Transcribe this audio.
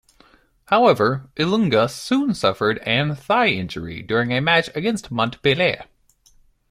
However, Ilunga soon suffered an thigh injury during a match against Montpellier.